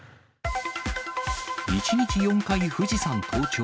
１日４回富士山登頂。